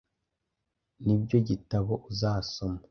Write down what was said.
Nibyo gitabo azasoma.